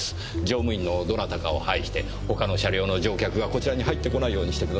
乗務員のどなたかを配して他の車両の乗客がこちらに入ってこないようにしてください。